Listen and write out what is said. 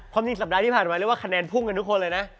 จริงสัปดาห์ที่ผ่านมาเรียกว่าคะแนนพุ่งกันทุกคนเลยนะ